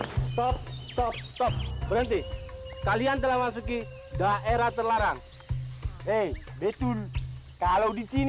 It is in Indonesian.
stop stop stop berhenti kalian telah masuk ke daerah terlarang eh betul kalau disini